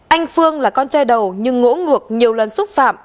anh phương là con trai đầu nhưng ngỗ ngược nhiều lần xúc phạm